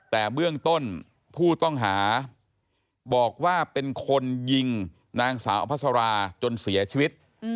แต่เบื้องต้นผู้ต้องหาบอกว่าเป็นคนยิงนางสาวอภัสราจนเสียชีวิต